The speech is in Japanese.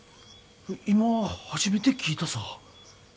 今初めて聞いたさ。